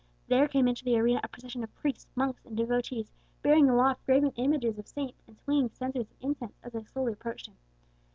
There came into the arena a procession of priests, monks, and devotees, bearing aloft graven images of saints, and swinging censers of incense, as they slowly approached him.